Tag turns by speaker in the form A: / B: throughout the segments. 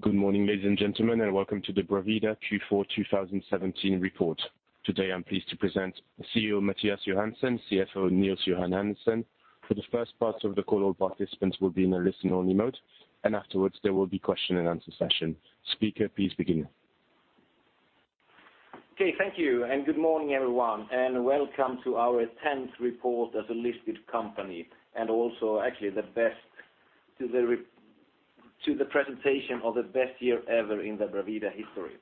A: Good morning, ladies and gentlemen, and welcome to the Bravida Q4 2017 report. Today, I'm pleased to present CEO, Mattias Johansson, CFO, Nils-Johan Andersson. For the first part of the call, all participants will be in a listen-only mode, and afterwards, there will be question and answer session. Speaker, please begin.
B: Okay, thank you, and good morning, everyone, and welcome to our 10th report as a listed company, and also actually to the presentation of the best year ever in the Bravida history.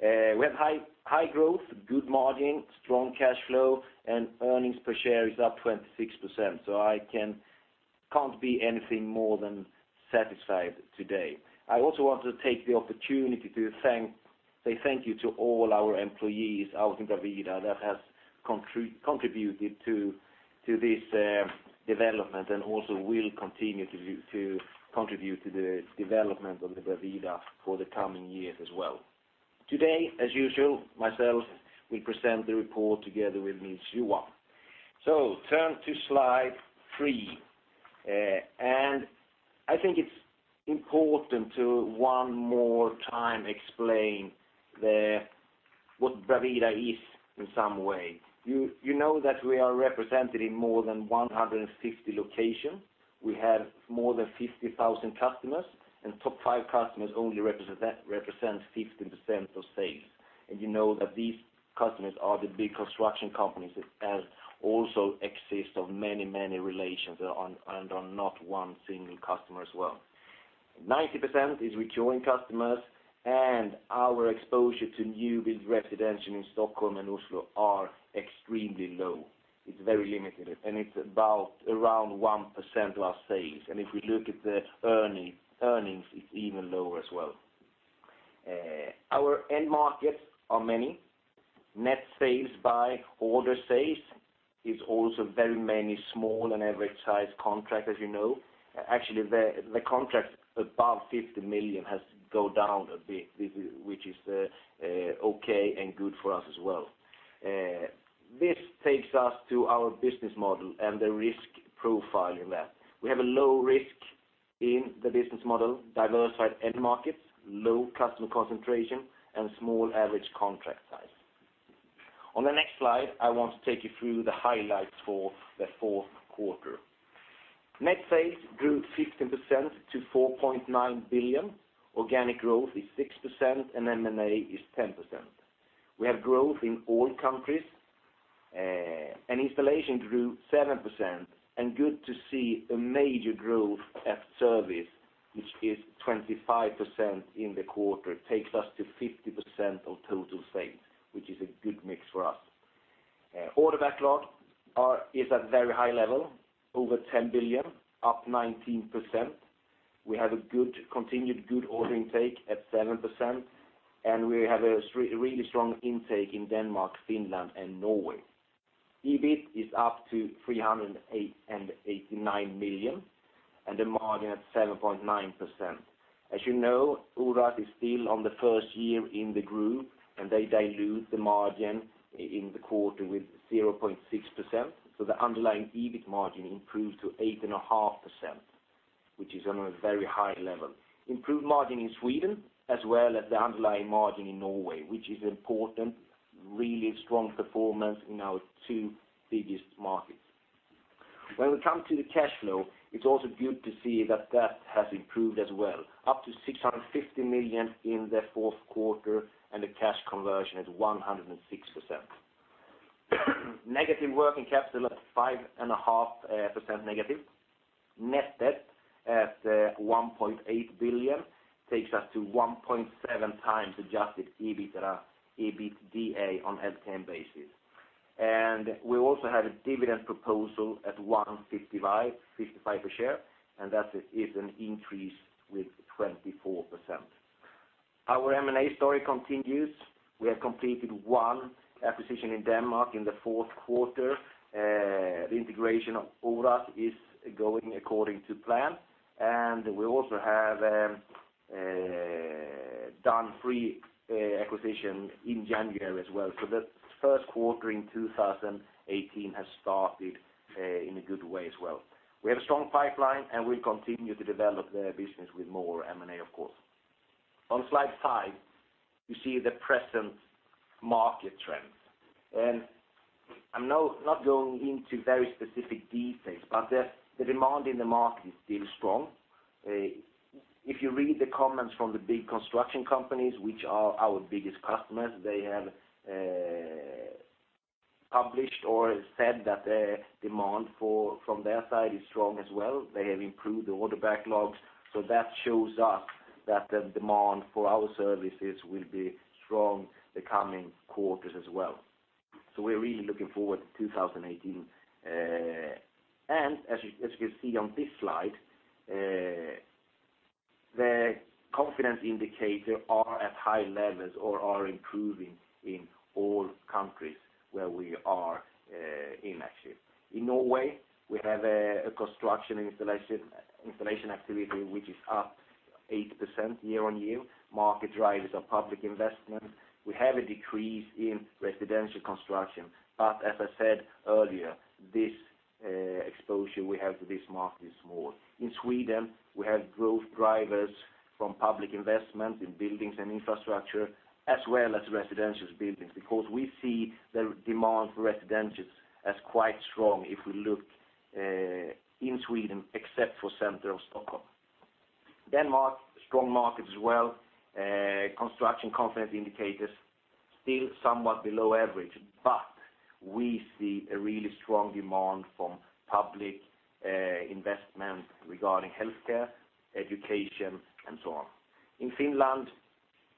B: We have high, high growth, good margin, strong cash flow, and earnings per share is up 26%, so I can't be anything more than satisfied today. I also want to take the opportunity to say thank you to all our employees out in Bravida that has contributed to this development, and also will continue to contribute to the development of the Bravida for the coming years as well. Today, as usual, myself, will present the report together with me, Johan. Turn to slide three. I think it's important to one more time explain what Bravida is, in some way. You know that we are represented in more than 150 locations. We have more than 50,000 customers, and top five customers only represent 15% of sales. You know that these customers are the big construction companies that as also exist on many, many relations on, and on not one single customer as well. 90% is recurring customers. Our exposure to new build residential in Stockholm and Oslo are extremely low. It's very limited, and it's about around 1% of our sales. If we look at the earnings, it's even lower as well. Our end markets are many. Net sales by order sales is also very many small and average-sized contract, as you know. Actually, the contract above 50 million has go down a bit, which is okay, and good for us as well. This takes us to our business model and the risk profile in that. We have a low risk in the business model, diversified end markets, low customer concentration, and small average contract size. On the next slide, I want to take you through the highlights for the fourth quarter. Net sales grew 15% to 4.9 billion. Organic growth is 6%, M&A is 10%. We have growth in all countries, and installation grew 7%, and good to see a major growth at service, which is 25% in the quarter, takes us to 50% of total sales, which is a good mix for us. Order backlog is at a very high level, over 10 billion, up 19%. We have a good, continued good order intake at 7%, and we have a really strong intake in Denmark, Finland, and Norway. EBIT is up to 389 million, and the margin at 7.9%. As you know, Oras is still on the first year in the group, and they dilute the margin in the quarter with 0.6%. The underlying EBIT margin improves to 8.5%, which is on a very high level. Improved margin in Sweden, as well as the underlying margin in Norway, which is important, really strong performance in our two biggest markets. When it comes to the cash flow, it's also good to see that that has improved as well, up to 650 million in the fourth quarter, and the cash conversion at 106%. Negative working capital at -5.5%. Net debt at 1.8 billion, takes us to 1.7x adjusted EBITDA on LTM basis. We also had a dividend proposal at 1.55 per share, and that is an increase with 24%. Our M&A story continues. We have completed one acquisition in Denmark in the fourth quarter. The integration of Oras is going according to plan, and we also have done three acquisition in January as well. The first quarter in 2018 has started in a good way as well. We have a strong pipeline, and we continue to develop the business with more M&A, of course. On slide five, you see the present market trends. I'm not going into very specific details, but the demand in the market is still strong. If you read the comments from the big construction companies, which are our biggest customers, they have published or said that the demand from their side is strong as well. They have improved the order backlogs, that shows us that the demand for our services will be strong the coming quarters as well. We're really looking forward to 2018. As you can see on this slide, the confidence indicator are at high levels or are improving in all countries where we are in actually. In Norway, we have a construction installation activity, which is up 8% year-on-year. Market drivers are public investment. We have a decrease in residential construction. As I said earlier, this exposure we have to this market is small. In Sweden, we have growth drivers from public investment in buildings and infrastructure, as well as residential buildings, because we see the demand for residentials as quite strong if we look in Sweden, except for center of Stockholm. Denmark, strong market as well. Construction confidence indicators still somewhat below average. We see a really strong demand from public investment regarding healthcare, education, and so on. In Finland,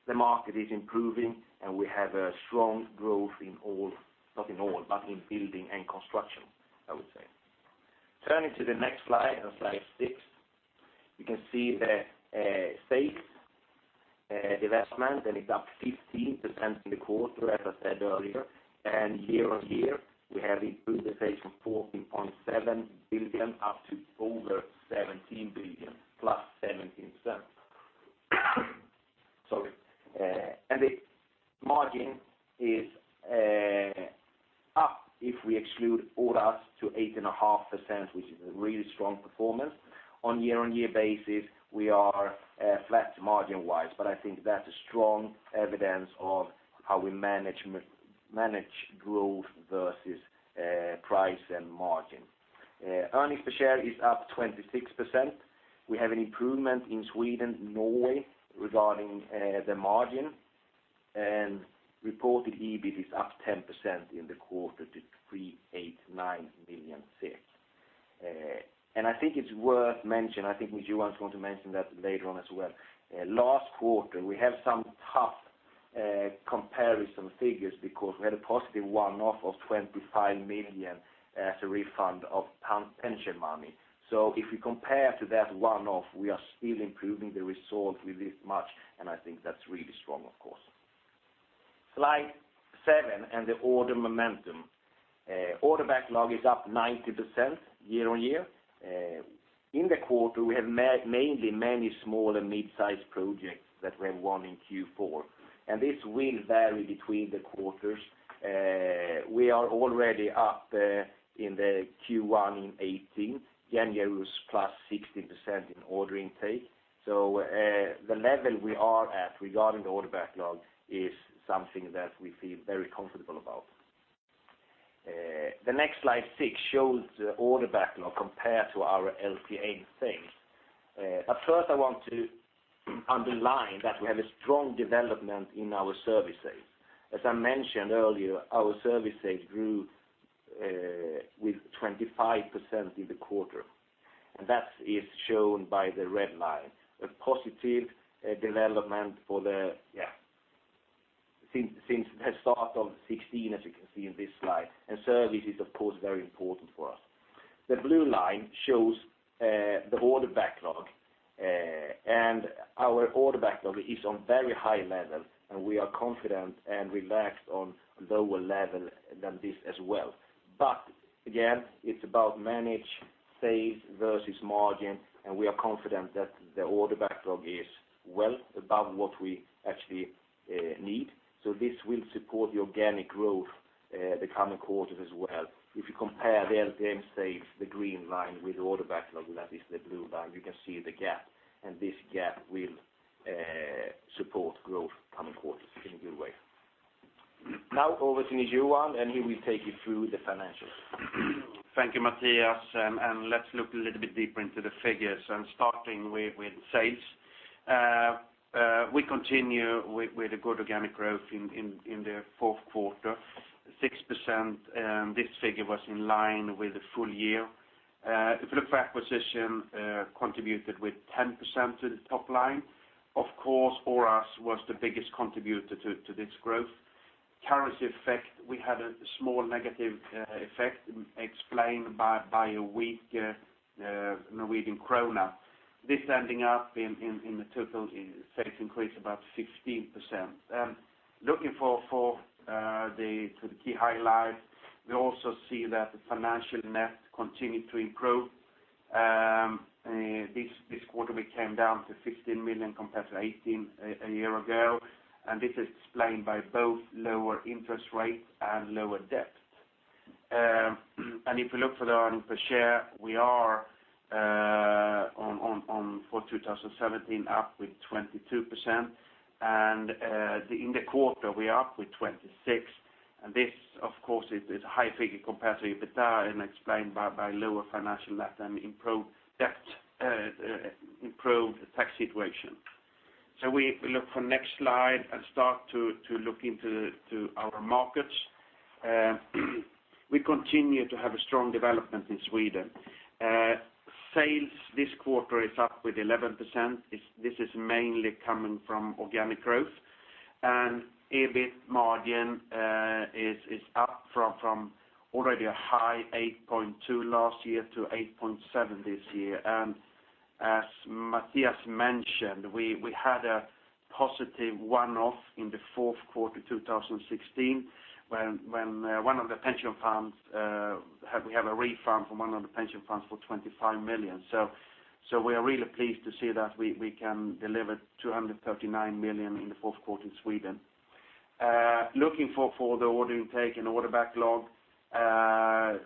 B: the market is improving. We have a strong growth not in all, but in building and construction, I would say. Turning to the next slide, on slide six, you can see the sales development. It's up 15% in the quarter, as I said earlier. Year-on-year, we have improved the sales from 14.7 billion up to over 17 billion, +17%. Sorry. The margin is up, if we exclude Oras, to 8.5%, which is a really strong performance. On year-on-year basis, we are flat margin-wise, but I think that's a strong evidence of how we manage growth versus price and margin. Earnings per share is up 26%. We have an improvement in Sweden, Norway, regarding the margin, and reported EBIT is up 10% in the quarter to 389 million. I think it's worth mentioning, I think Johan is going to mention that later on as well, last quarter, we have some tough comparison figures because we had a positive one-off of 25 million as a refund of pension money. If you compare to that one-off, we are still improving the result with this much, and I think that's really strong, of course. Slide seven, the order momentum. Order backlog is up 90% year-on-year. In the quarter, we have mainly many small and mid-sized projects that we have won in Q4, and this will vary between the quarters. We are already up in the Q1 in 2018. January was +60% in order intake. The level we are at regarding the order backlog is something that we feel very comfortable about. The next slide, six, shows the order backlog compared to our LTA sales. First, I want to underline that we have a strong development in our services. As I mentioned earlier, our services grew with 25% in the quarter, and that is shown by the red line, a positive development for the since the start of 2016, as you can see in this slide, and service is, of course, very important for us. The blue line shows the order backlog, and our order backlog is on very high level, and we are confident and relaxed on lower level than this as well. Again, it's about manage sales versus margin, and we are confident that the order backlog is well above what we actually need. This will support the organic growth the coming quarters as well. If you compare the LTA sales, the green line, with the order backlog, that is the blue line, you can see the gap. This gap will support growth coming quarters in a good way. Now, over to Johan, and he will take you through the financials.
C: Thank you, Mattias. Let's look a little bit deeper into the figures, starting with sales. We continue with a good organic growth in the fourth quarter, 6%. This figure was in line with the full year. If you look for acquisition, contributed with 10% to the top line. Of course, Oras was the biggest contributor to this growth. Currency effect, we had a small negative effect explained by a weak Norwegian Krone. This ending up in the total sales increase about 16%. Looking to the key highlights, we also see that the financial net continued to improve. This quarter, we came down to 16 million compared to 18 million a year ago, this is explained by both lower interest rates and lower debt. If you look for the earnings per share, we are on for 2017, up with 22%, in the quarter, we're up with 26%, and this, of course, is a high figure compared to EBITDA and explained by lower financial net and improved debt, improved tax situation. We look for next slide and start to look into our markets. We continue to have a strong development in Sweden. Sales this quarter is up with 11%. This is mainly coming from organic growth. EBIT margin is up from already a high 8.2% last year to 8.7% this year. As Mattias mentioned, we had a positive one-off in the fourth quarter 2016, when one of the pension funds, we have a refund from one of the pension funds for 25 million. We are really pleased to see that we can deliver 239 million in the fourth quarter in Sweden. Looking for the order intake and order backlog,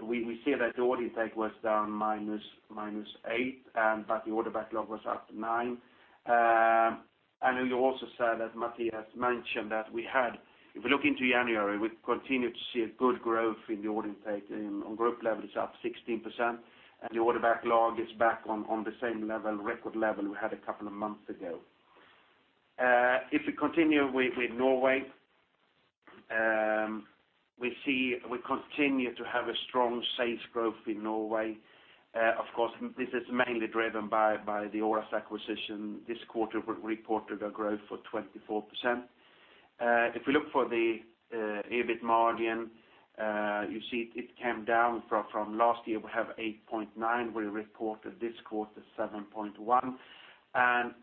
C: we see that the order intake was down -8%, the order backlog was up 9%. Then you also said, as Mattias mentioned, if we look into January, we continue to see a good growth in the order intake. On group level, it's up 16%, and the order backlog is back on the same level, record level we had a couple of months ago. If we continue with Norway, we see we continue to have a strong sales growth in Norway. Of course, this is mainly driven by the Oras acquisition. This quarter, we reported a growth for 24%. If we look for the EBIT margin, you see it came down from last year, we have 8.9%. We reported this quarter 7.1%.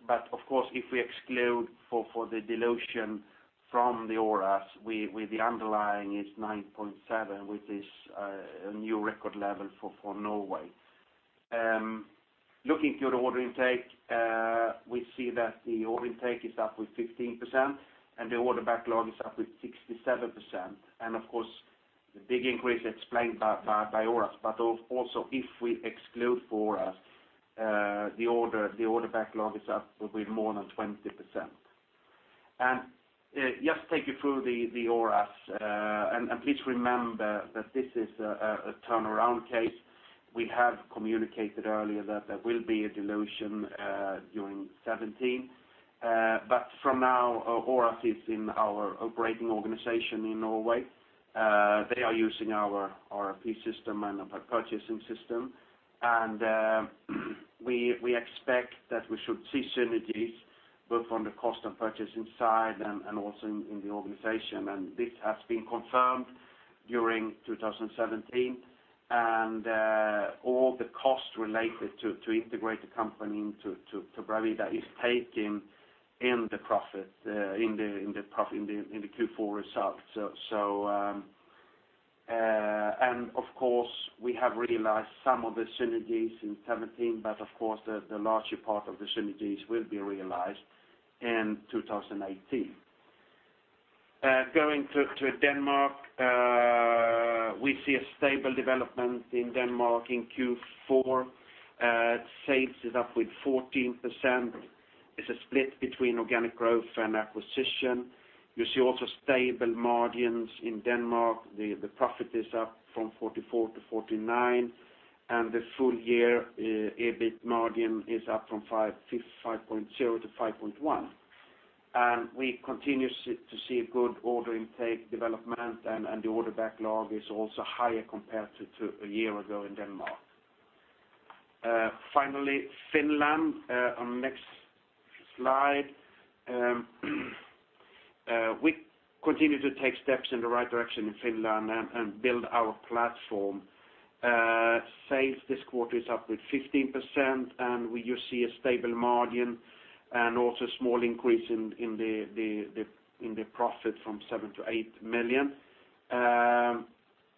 C: But of course, if we exclude for the dilution from Oras, the underlying is 9.7%, which is a new record level for Norway. Looking to the order intake, we see that the order intake is up with 15%, and the order backlog is up with 67%. Of course, the big increase explained by Oras. Also, if we exclude for Oras, the order backlog is up with more than 20%. Just take you through the Oras, and please remember that this is a turnaround case. We have communicated earlier that there will be a dilution during 2017. But from now, Oras is in our operating organization in Norway. They are using our RFP system and our purchasing system. We expect that we should see synergies, both on the cost and purchasing side and also in the organization. This has been confirmed during 2017. All the costs related to integrate the company into Bravida is taken in the profit in the Q4 results. Of course, we have realized some of the synergies in 2017, but of course, the larger part of the synergies will be realized in 2018. Going to Denmark, we see a stable development in Denmark in Q4. Sales is up with 14%. It's a split between organic growth and acquisition. You see also stable margins in Denmark. The profit is up from 44 million-49 million. The full year EBIT margin is up from 5.0%-5.1%. We continue to see a good order intake development, and the order backlog is also higher compared to a year ago in Denmark. Finally, Finland on next slide. We continue to take steps in the right direction in Finland and build our platform. Sales this quarter is up with 15%, and we do see a stable margin and also small increase in the profit from 7 million-8 million.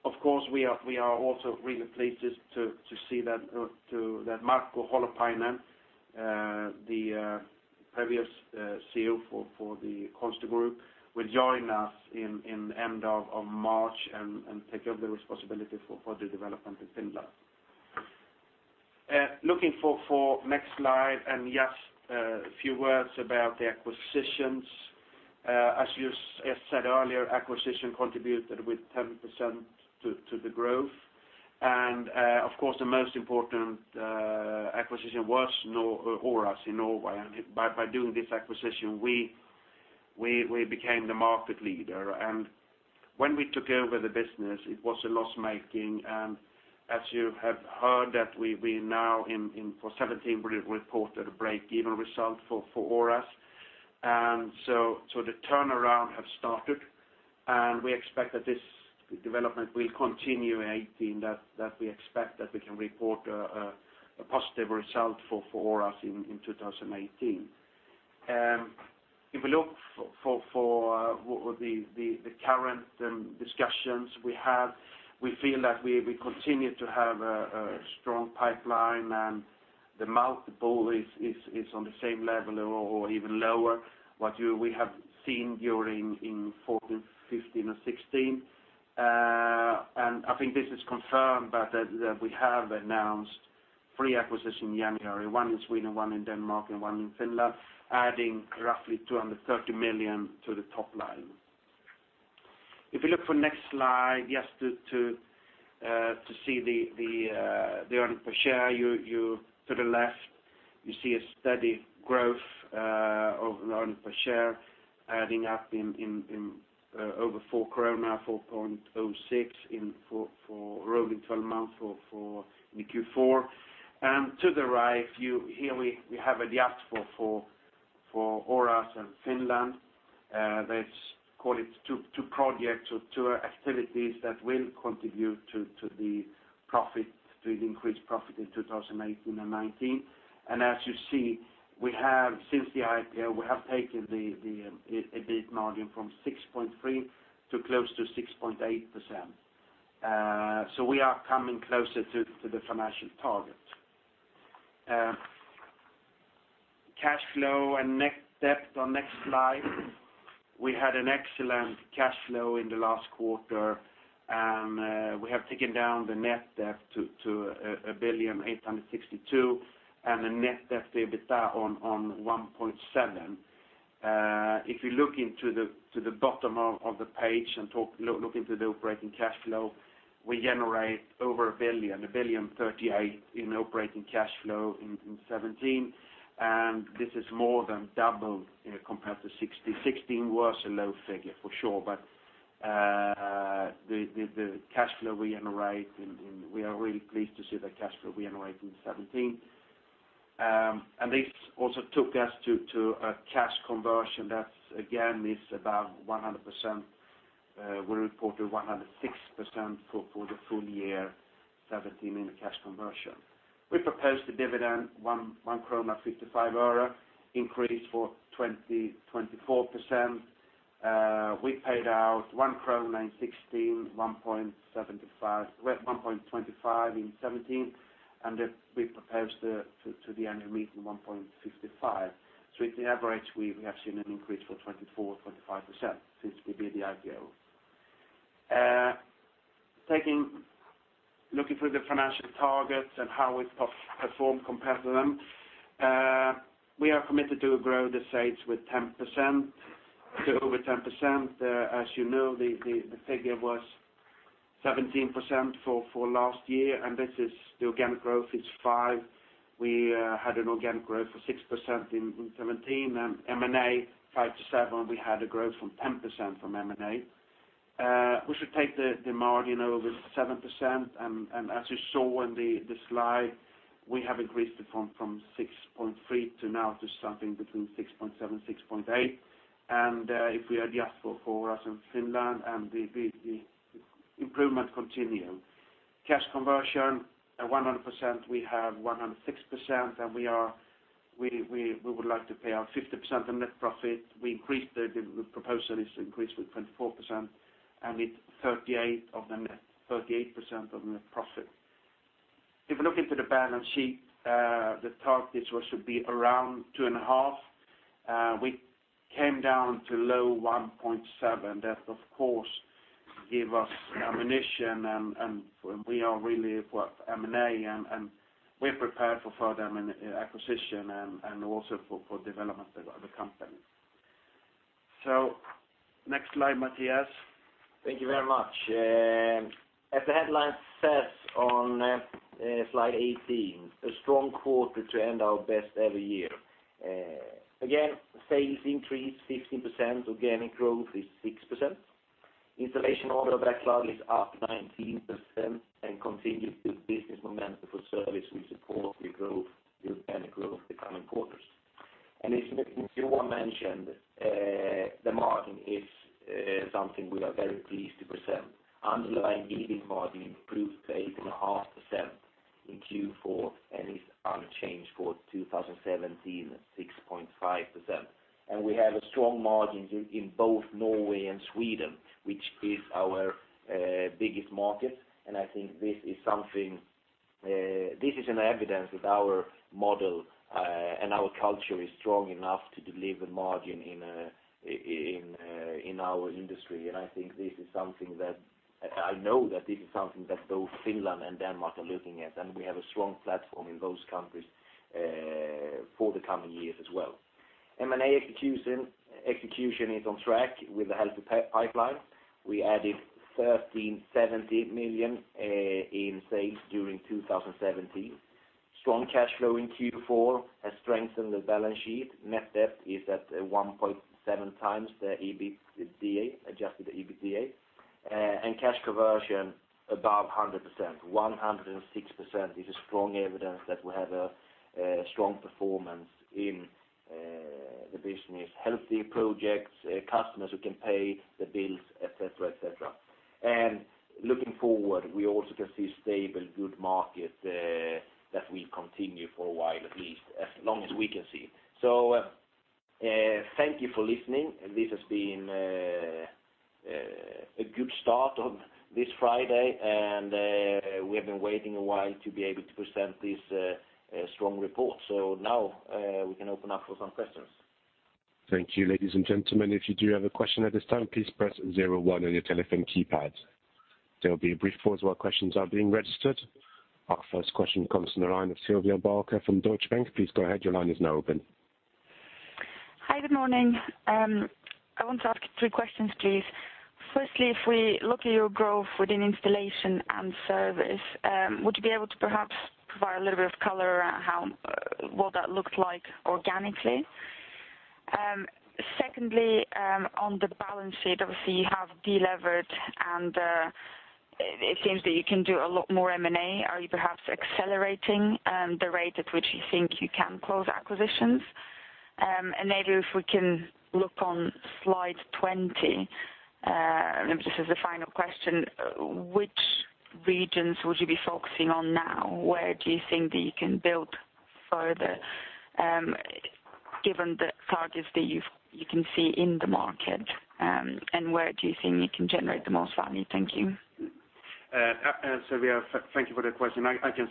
C: Of course, we are also really pleased to see that Marko Holopainen, the previous CEO for the Consti Group, will join us in end of March and take up the responsibility for the development in Finland. Looking next slide, just a few words about the acquisitions. As you as said earlier, acquisition contributed with 10% to the growth. Of course, the most important acquisition was Oras in Norway, by doing this acquisition, we became the market leader. When we took over the business, it was a loss-making, as you have heard, that we now for 2017, reported a break-even result for Oras. The turnaround have started, and we expect that this development will continue in 2018, that we expect that we can report a positive result for Oras in 2018. If we look for what were the current discussions we have, we feel that we continue to have a strong pipeline, and the multiple is on the same level or even lower, what we have seen during in 2014, 2015, and 2016. I think this is confirmed by that we have announced 3 acquisition in January, one in Sweden, one in Denmark, and one in Finland, adding roughly 230 million to the top line. If you look for next slide, just to see the earning per share, you to the left, you see a steady growth of earning per share, adding up in over 4, 4.06 in for rolling 12-month for the Q4. To the right, here we have a gap for Oras and Finland, that's call it two projects or two activities that will contribute to the profit, to the increased profit in 2018 and 2019. As you see, we have, since the IPO, we have taken the EBIT margin from 6.3% to close to 6.8%. Cash flow and net debt on next slide. We had an excellent cash flow in the last quarter, and we have taken down the net debt to 1.862 billion, and the net debt to EBITDA on 1.7x. If you look into the bottom of the page and look into the operating cash flow, we generate over 1.038 billion in operating cash flow in 2017, and this is more than double, you know, compared to 2016. 2016 was a low figure, for sure, but the cash flow we generate, we are really pleased to see the cash flow we generate in 2017. This also took us to a cash conversion that's, again, is about 100%. We reported 106% for the full year 2017 in the cash conversion. We proposed a dividend, SEK 1.55, increase for 24%. We paid out SEK 1 in 2016, 1.25 in 2017, we proposed to the annual meeting 1.55. If you average, we have seen an increase for 24%-25% since we did the IPO. Looking through the financial targets and how we've performed compared to them, we are committed to grow the sales with 10%, to over 10%. As you know, the figure was 17% for last year, this is the organic growth is 5%. We had an organic growth of 6% in 2017, and M&A 5%-7%, we had a growth from 10% from M&A. We should take the margin over 7%, and as you saw in the slide, we have increased it from 6.3% to now to something between 6.7%-6.8%. If we adjust for us in Finland and the improvement continue. Cash conversion at 100%, we have 106%, and we would like to pay out 50% of net profit. We increased the proposal is increased with 24%, and it's 38 of the net, 38% of net profit. If you look into the balance sheet, the targets were should be around 2.5%. We came down to low 1.7%. That, of course, give us ammunition, and we are really for M&A, and we're prepared for further acquisition and also for development of the company. Next slide, Mattias.
B: Thank you very much. As the headline says on slide 18, a strong quarter to end our best ever year. Again, sales increased 15%, organic growth is 6%. Installation order backlog is up 19% and continues the business momentum for service we support the growth, the organic growth, the coming quarters. As Johan mentioned, the margin is something we are very pleased to present. Underlying EBITDA margin improved to 8.5% in Q4 and is unchanged for 2017, 6.5%. We have a strong margin in both Norway and Sweden, which is our biggest market, and I think this is something. This is an evidence that our model and our culture is strong enough to deliver margin in in in our industry, and I know that this is something that both Finland and Denmark are looking at, and we have a strong platform in those countries for the coming years as well. M&A execution is on track with the healthy pipeline. We added 13 million, 17 million in sales during 2017. Strong cash flow in Q4 has strengthened the balance sheet. Net debt is at 1.7x the EBITDA, adjusted EBITDA, and cash conversion above 100%. 106% is a strong evidence that we have a strong performance in the business, healthy projects, customers who can pay the bills, et cetera, et cetera. Looking forward, we also can see stable, good market, that will continue for a while, at least as long as we can see. Thank you for listening. This has been a good start on this Friday, and we have been waiting a while to be able to present this strong report. Now, we can open up for some questions.
A: Thank you, ladies and gentlemen. If you do have a question at this time, please press zero one on your telephone keypad. There will be a brief pause while questions are being registered. Our first question comes from the line of Silvia Cuneo from Deutsche Bank. Please go ahead. Your line is now open.
D: Hi, good morning. I want to ask three questions, please. Firstly, if we look at your growth within installation and service, would you be able to perhaps provide a little bit of color around how what that looked like organically? Secondly, on the balance sheet, obviously, you have delevered, and it seems that you can do a lot more M&A. Are you perhaps accelerating the rate at which you think you can close acquisitions? Maybe if we can look on slide 20, and this is the final question, which regions would you be focusing on now? Where do you think that you can build further, given the targets that you've, you can see in the market, and where do you think you can generate the most value? Thank you.
C: We are, thank you for the question. I can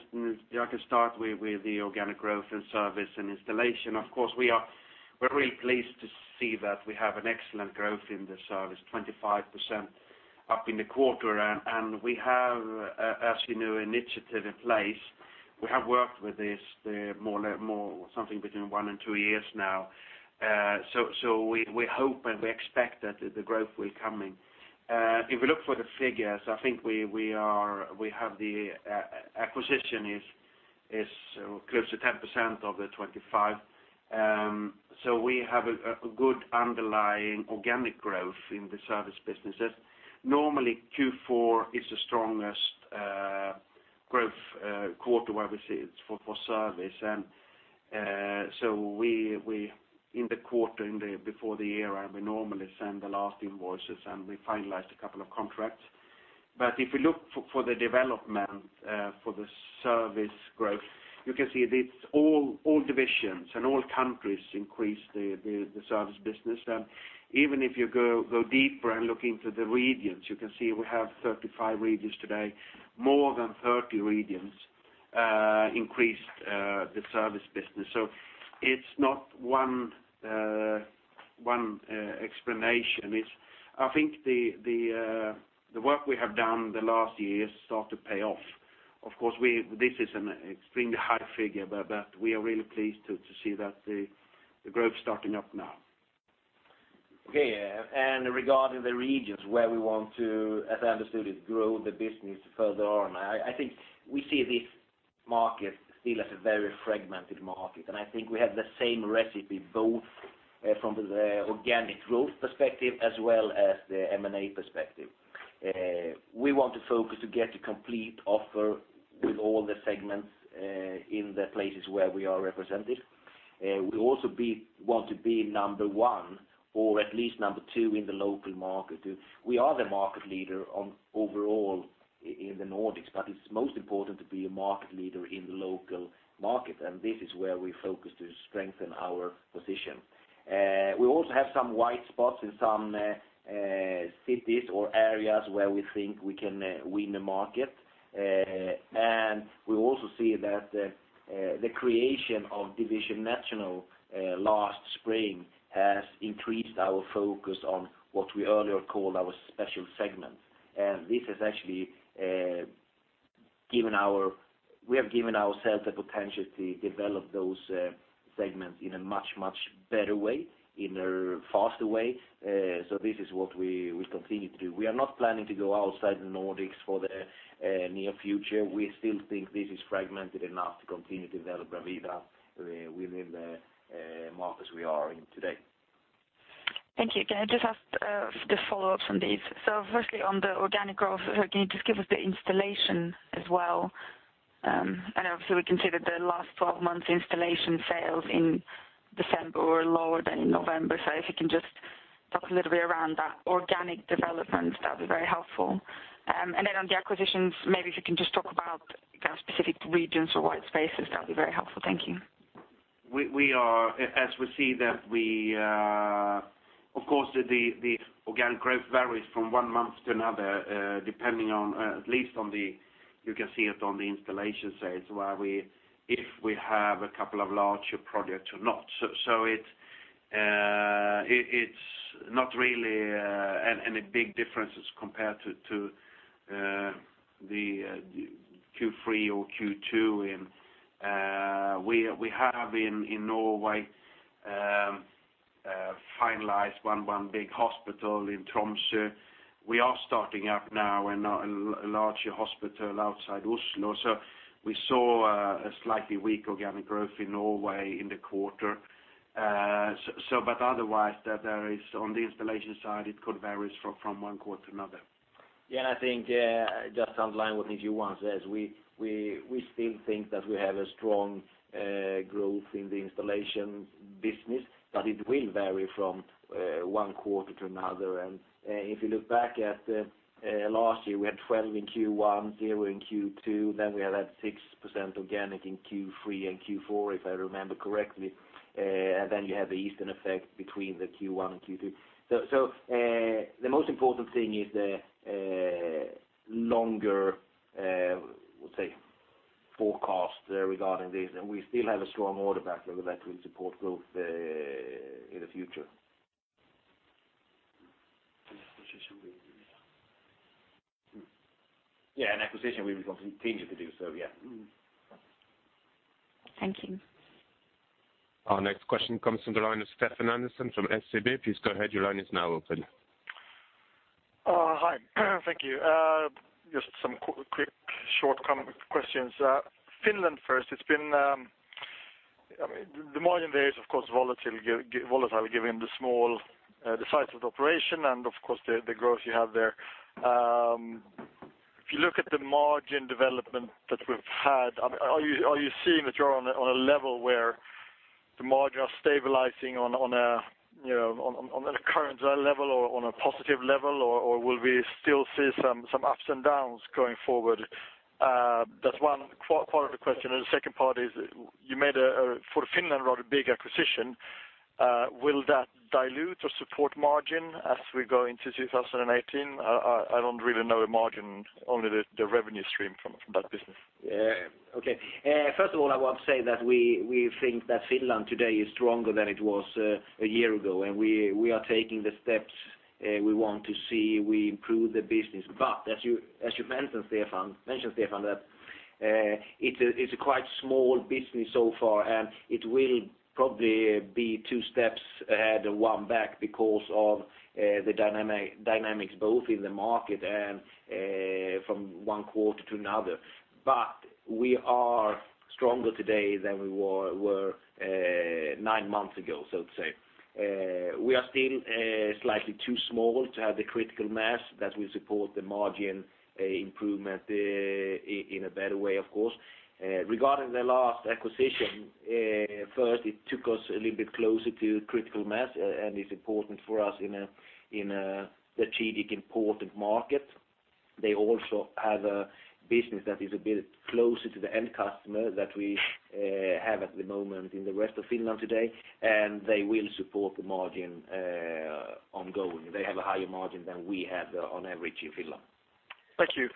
C: start with the organic growth and service and installation. Of course, we are, we're really pleased to see that we have an excellent growth in the service, 25% up in the quarter. We have, as you know, initiative in place. We have worked with this, the more, something between one and two years now. So we hope, and we expect that the growth will coming. If you look for the figures, I think we have the acquisition is close to 10% of the 25%. We have a good underlying organic growth in the service businesses. Normally, Q4 is the strongest growth quarter where we see it's for service. We in the quarter, before the year, and we normally send the last invoices, and we finalized a couple of contracts. If you look for the development, for the service growth, you can see it's all divisions and all countries increase the service business. Even if you go deeper and look into the regions, you can see we have 35 regions today, more than 30 regions increased the service business. It's not one explanation. I think the work we have done the last year start to pay off. Of course, this is an extremely high figure, but we are really pleased to see that the growth starting up now.
B: Okay. Regarding the regions where we want to, as I understood it, grow the business further on, I think we see this market still as a very fragmented market. I think we have the same recipe, both from the organic growth perspective as well as the M&A perspective. We want to focus to get a complete offer with all the segments in the places where we are represented. We also want to be number one, or at least number two in the local market. We are the market leader on overall in the Nordics, it's most important to be a market leader in the local market, and this is where we focus to strengthen our position. We also have some white spots in some cities or areas where we think we can win the market. We also see that the creation of Division National last spring has increased our focus on what we earlier called our special segment. This has actually given ourselves the potential to develop those segments in a much, much better way, in a faster way. This is what we continue to do. We are not planning to go outside the Nordics for the near future. We still think this is fragmented enough to continue to develop Bravida within the markets we are in today.
D: Thank you. Can I just ask the follow-ups on these? Firstly, on the organic growth, can you just give us the installation as well? Obviously, we can see that the last 12 months, installation sales in December were lower than in November. If you can just talk a little bit around that organic development, that'd be very helpful. Then on the acquisitions, maybe if you can just talk about kind of specific regions or white spaces, that'd be very helpful. Thank you.
C: We are, as we see that we, of course, the organic growth varies from one month to another, depending on, at least on the, you can see it on the installation side, where if we have a couple of larger projects or not. It's not really any big differences compared to the Q3 or Q2. We have in Norway finalized one big hospital in Tromsø. We are starting up now in a larger hospital outside Oslo. We saw a slightly weak organic growth in Norway in the quarter. Otherwise, that there is, on the installation side, it could varies from one quarter to another.
B: Yeah, I think, just to underline what Nils-Johan says, we still think that we have a strong growth in the installation business, but it will vary from one quarter to another. If you look back at last year, we had 12 in Q1, 0 in Q2, then we had 6% organic in Q3 and Q4, if I remember correctly. You have the Easter effect between the Q1 and Q2. The most important thing is the longer, let's say, forecast regarding this, and we still have a strong order backlog that will support growth in the future.
C: Acquisition we...
B: Yeah, acquisition, we will continue to do so, yeah.
D: Thank you.
A: Our next question comes from the line of Stefan Andersson from SEB. Please go ahead. Your line is now open.
E: Hi. Thank you. Just some quick, short come questions. Finland first, it's been, I mean, the margin there is, of course, volatile, given the small, the size of the operation and, of course, the growth you have there. If you look at the margin development that we've had, I mean, are you seeing that you're on a level where the margin are stabilizing on a, you know, on a current level or on a positive level, or will we still see some ups and downs going forward? That's one part of the question. The second part is, you made a, for Finland, rather big acquisition will that dilute or support margin as we go into 2018? I don't really know the margin, only the revenue stream from that business.
B: Okay. First of all, I want to say that we think that Finland today is stronger than it was a year ago, and we are taking the steps we want to see we improve the business. As you mentioned, Stefan, mentioned, Stefan, that it's a quite small business so far, and it will probably be two steps ahead and one back because of the dynamics, both in the market and from one quarter to another. We are stronger today than we were nine months ago, so to say. We are still slightly too small to have the critical mass that will support the margin improvement in a better way, of course. Regarding the last acquisition, first, it took us a little bit closer to critical mass, and it's important for us in a, in a strategically important market. They also have a business that is a bit closer to the end customer that we have at the moment in the rest of Finland today, and they will support the margin ongoing. They have a higher margin than we have on average in Finland.
E: Thank you.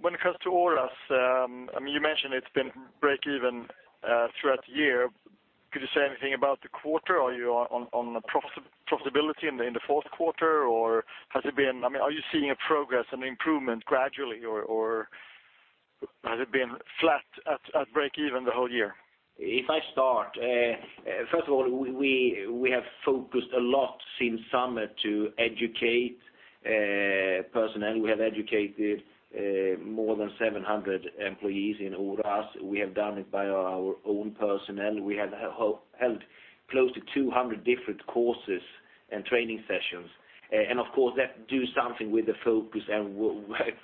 E: When it comes to Oras, I mean, you mentioned it's been breakeven throughout the year. Could you say anything about the quarter? Are you on the profitability in the fourth quarter, or has it been... I mean, are you seeing a progress and improvement gradually, or has it been flat at breakeven the whole year?
B: If I start, first of all, we have focused a lot since summer to educate personnel. We have educated more than 700 employees in Oras. We have done it by our own personnel. We have held close to 200 different courses and training sessions. Of course, that do something with the focus and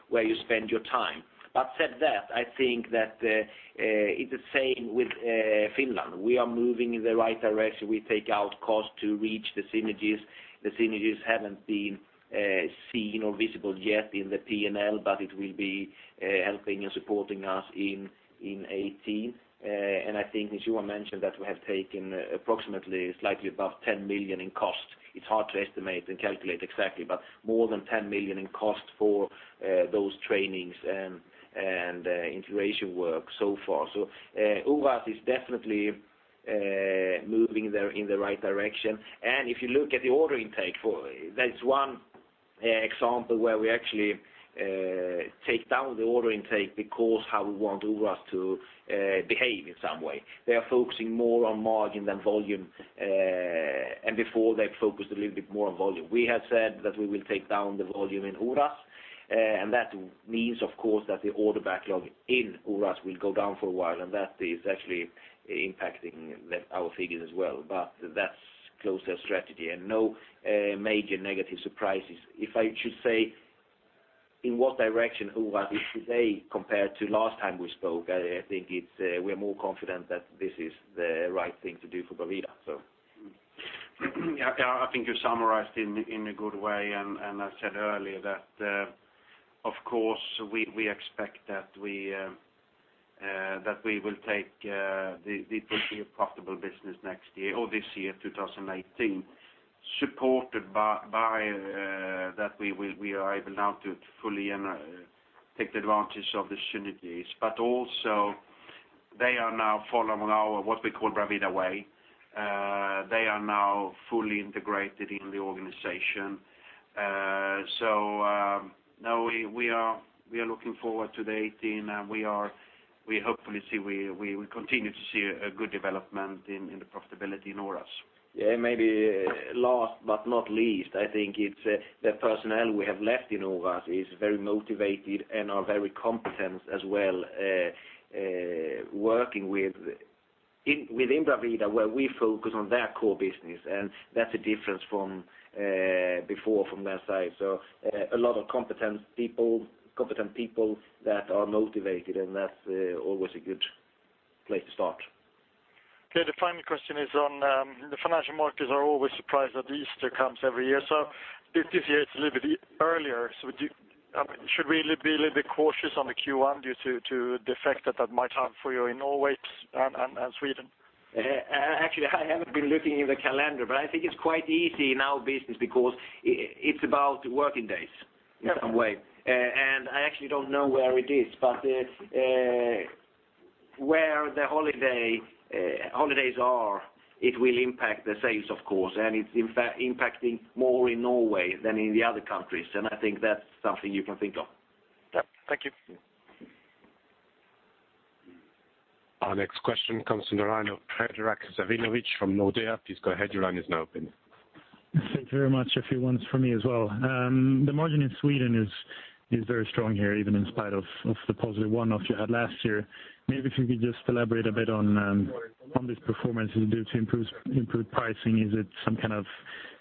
B: where you spend your time. Said that, I think that it's the same with Finland. We are moving in the right direction. We take out cost to reach the synergies. The synergies haven't been seen or visible yet in the P&L, but it will be helping and supporting us in 2018. I think, as Johan mentioned, that we have taken approximately slightly above 10 million in cost. It's hard to estimate and calculate exactly, but more than 10 million in cost for those trainings and integration work so far. Oras is definitely moving in the right direction. If you look at the order intake, that is one example where we actually take down the order intake because how we want Oras to behave in some way. They are focusing more on margin than volume, and before they focused a little bit more on volume. We have said that we will take down the volume in Oras, and that means, of course, that the order backlog in Oras will go down for a while, and that is actually impacting our figures as well. That's closer strategy, and no major negative surprises. If I should say in what direction Oras is today compared to last time we spoke, I think it's we're more confident that this is the right thing to do for Bravida, so.
C: Yeah, I think you summarized in a good way. I said earlier that, of course, we expect that we that we will take the push to a profitable business next year or this year, 2018, supported by that we are able now to fully and take advantage of the synergies. Also, they are now following our, what we call Bravida Way. They are now fully integrated in the organization. No, we are looking forward to the 2018, and we hopefully see we continue to see a good development in the profitability in Oras.
B: Maybe last but not least, I think it's the personnel we have left in Oras is very motivated and are very competent as well, within Bravida, where we focus on their core business, and that's a difference from before from their side. A lot of competent people that are motivated, and that's always a good place to start.
E: The final question is on the financial markets are always surprised that Easter comes every year, this year, it's a little bit earlier. Should we be a little bit cautious on the Q1 due to the fact that that might have for you in Norway and Sweden?
B: Actually, I haven't been looking in the calendar. I think it's quite easy in our business because it's about working days in some way.
E: Yeah.
B: I actually don't know where it is, but, where the holiday, holidays are, it will impact the sales, of course, and it's in fact impacting more in Norway than in the other countries, and I think that's something you can think of.
E: Yeah. Thank you.
A: Our next question comes from the line of Predrag Savinovic from Nordea. Please go ahead. Your line is now open.
F: Thank you very much. A few ones for me as well. The margin in Sweden is very strong here, even in spite of the positive one-off you had last year. Maybe if you could just elaborate a bit on on this performance is due to improved pricing? Is it some kind of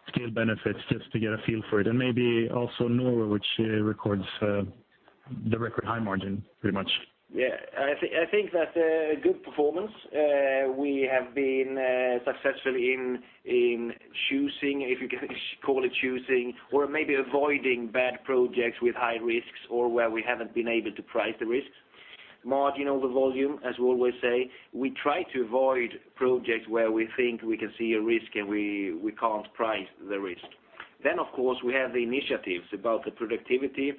F: scale benefits? Just to get a feel for it. Maybe also Norway, which records the record high margin, pretty much?
C: Yeah. I think that's a good performance. We have been successful in choosing, if you can call it choosing, or maybe avoiding bad projects with high risks or where we haven't been able to price the risks, margin over volume, as we always say, we try to avoid projects where we think we can see a risk, and we can't price the risk. Of course, we have the initiatives about the productivity,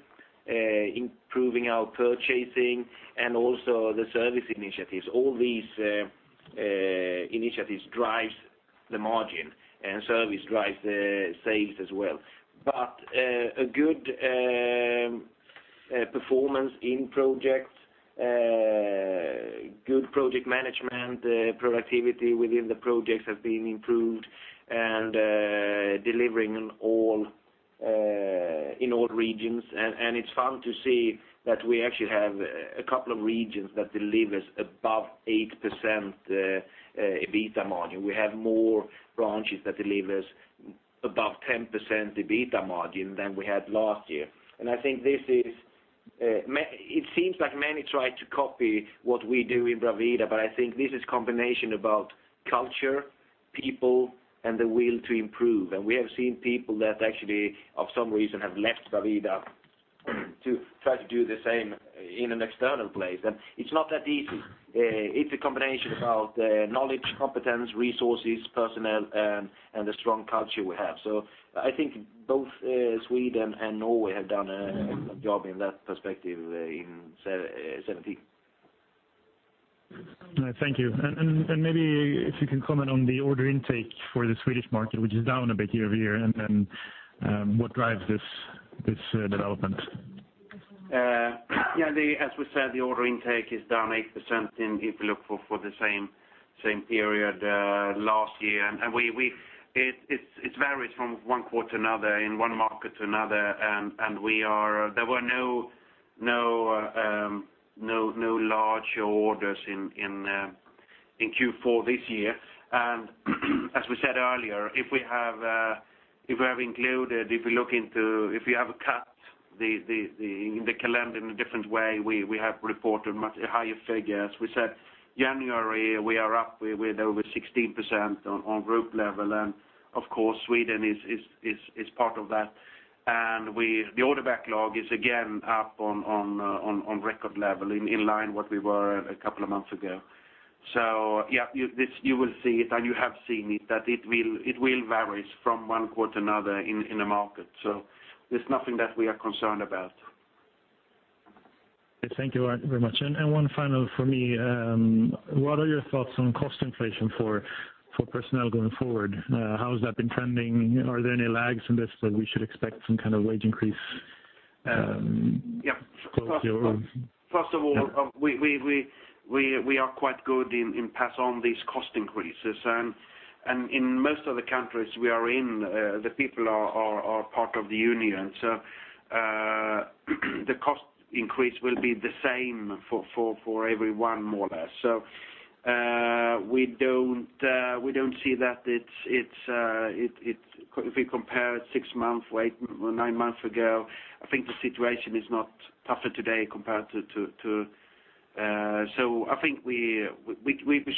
C: improving our purchasing and also the service initiatives. All these initiatives drives the margin, and service drives the sales as well. A good performance in projects, good project management, productivity within the projects have been improved and delivering in all regions. It's fun to see that we actually have a couple of regions that delivers above 8% EBITDA margin. We have more branches that delivers above 10% EBITDA margin than we had last year. I think this is it seems like many try to copy what we do in Bravida, but I think this is combination about culture, people, and the will to improve. We have seen people that actually, of some reason, have left Bravida, to try to do the same in an external place. It's not that easy. It's a combination about knowledge, competence, resources, personnel, and the strong culture we have. I think both Sweden and Norway have done a good job in that perspective in 2017.
F: Thank you. Maybe if you can comment on the order intake for the Swedish market, which is down a bit year-over-year, and then, what drives this development?
C: Yeah, the, as we said, the order intake is down 8% in, if you look for the same period last year. It varies from one quarter to another, in one market to another. There were no large orders in Q4 this year. As we said earlier, if we have included, if you look into if you have cut the calendar in a different way, we have reported much higher figures. We said January, we are up with over 16% on group level, and of course, Sweden is part of that. The order backlog is again up on record level, in line what we were a couple of months ago. Yeah, you, this, you will see it, and you have seen it, that it will varies from 1 quarter to another in the market. There's nothing that we are concerned about.
F: Thank you very much. One final for me, what are your thoughts on cost inflation for personnel going forward? How has that been trending? Are there any lags in this, that we should expect some kind of wage increase, closely over?
C: Yeah. First of all, we are quite good in pass on these cost increases. In most of the countries we are in, the people are part of the union. The cost increase will be the same for everyone, more or less. We don't see that it's. If we compare six months or eight, or nine months ago, I think the situation is not tougher today compared to. I think we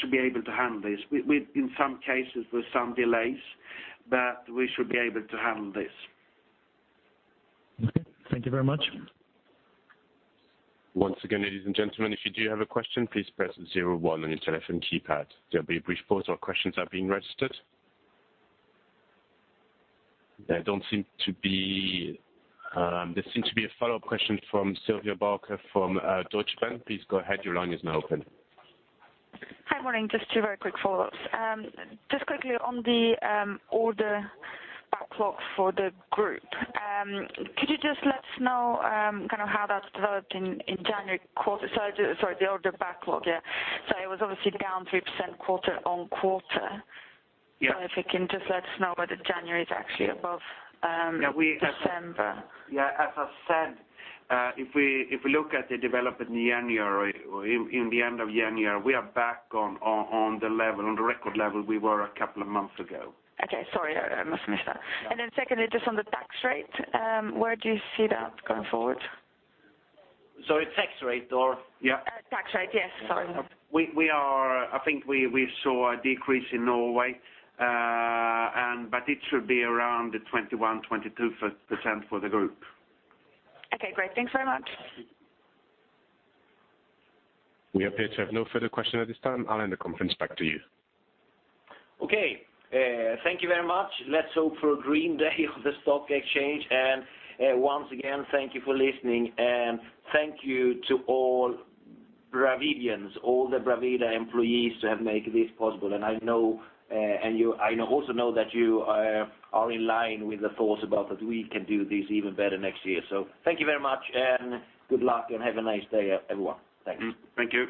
C: should be able to handle this. In some cases, with some delays, but we should be able to handle this.
F: Okay. Thank you very much.
A: Once again, ladies and gentlemen, if you do have a question, please press zero one on your telephone keypad. There'll be a brief pause while questions are being registered. There don't seem to be. There seems to be a follow-up question from Silvia Cuneo from Deutsche Bank. Please go ahead, your line is now open.
D: Hi, morning. Just two very quick follow-ups. Just quickly on the order backlog for the group. Could you just let us know, kind of how that's developed in January quarter? Sorry, the order backlog, yeah. It was obviously down 3% quarter-on-quarter.
C: Yeah.
D: if you can just let us know whether January is actually above, December.
C: Yeah, as I've said, if we look at the development in January, or in the end of January, we are back on the level, on the record level we were a couple of months ago.
D: Okay, sorry, I must have missed that.
C: Yeah.
D: Secondly, just on the tax rate, where do you see that going forward?
C: Sorry, tax rate or... Yeah.
D: Tax rate, yes. Sorry.
C: We are I think we saw a decrease in Norway, and but it should be around the 21%-22% for the group.
D: Okay, great. Thanks very much.
A: We appear to have no further question at this time. I'll hand the conference back to you.
B: Okay, thank you very much. Let's hope for a green day on the stock exchange. Once again, thank you for listening. Thank you to all Bravidians, all the Bravida employees who have made this possible. I know, I also know that you are in line with the thoughts about that we can do this even better next year. Thank you very much, and good luck, and have a nice day, everyone. Thank you.
A: Thank you.